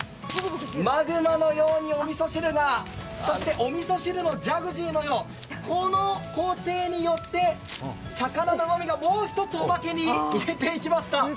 マグマのようにおみそ汁がそして、お味噌汁、ジャグジーのようこの工程によってもう一つおまけに入れていきました。